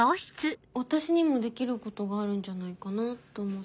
私にもできることがあるんじゃないかなと思って。